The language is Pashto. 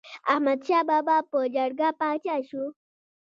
احمد شاه بابا په جرګه پاچا شو.